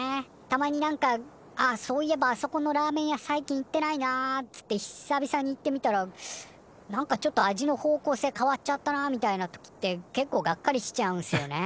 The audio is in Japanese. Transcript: たまに何か「あっそういえばあそこのラーメン屋最近行ってないな」つって久々に行ってみたら何かちょっと味の方向性変わっちゃったなみたいな時って結構がっかりしちゃうんすよね。